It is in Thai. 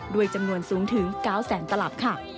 ด้วยจำนวนสูงถึง๙แสนตลับค่ะ